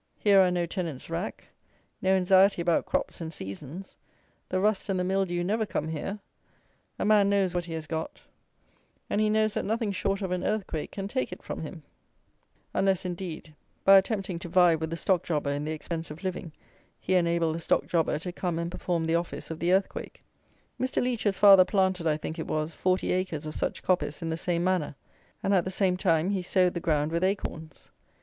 Here are no tenants' rack, no anxiety about crops and seasons; the rust and the mildew never come here; a man knows what he has got, and he knows that nothing short of an earthquake can take it from him, unless, indeed, by attempting to vie with the stock jobber in the expense of living, he enable the stock jobber to come and perform the office of the earthquake. Mr. Leech's father planted, I think it was, forty acres of such coppice in the same manner; and, at the same time, he sowed the ground with acorns.